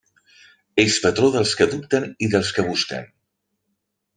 És patró dels que dubten i dels que busquen.